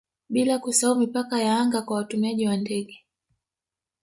bila kusahau mipaka ya anga kwa watumiaji wa ndege